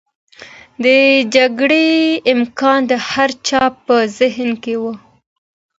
د جګړې امکان د هر چا په ذهن کې و.